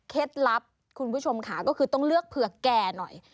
ลับคุณผู้ชมค่ะก็คือต้องเลือกเผือกแก่หน่อย